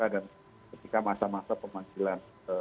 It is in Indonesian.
dan ketika masa masa pemanggilan